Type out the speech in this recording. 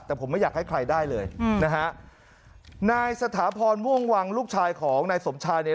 แต่ผมไม่อยากให้ใครได้เลยอืมนะฮะนายสถาพรม่วงวังลูกชายของนายสมชายเนี่ย